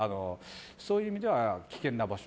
そういう意味では危険な場所。